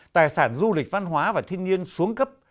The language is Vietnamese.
tài sản du lịch văn hóa và thiên nhiên xuống cấp